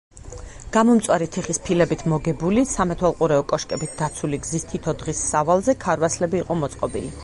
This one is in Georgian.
გამომწვარი თიხის ფილებით მოგებული, სამეთვალყურეო კოშკებით დაცული გზის თითო დღის სავალზე ქარვასლები იყო მოწყობილი.